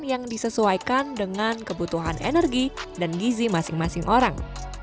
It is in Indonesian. yang disesuaikan dengan kebutuhan energi dan gizi masing masing orang